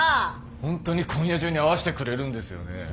ホントに今夜中に会わしてくれるんですよね？